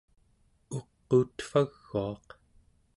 uquutvaguaq